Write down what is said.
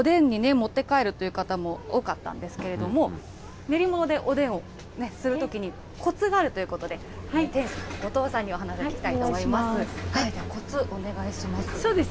こういった練り物買って、家でおでんに持って帰るという方も多かったんですけれども、練り物でおでんをするときに、こつがあるということで、後藤さんにお話を聞きたいと思います。